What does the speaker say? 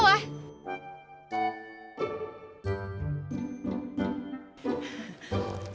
lompat ke bawah